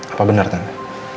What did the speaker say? apa benar tante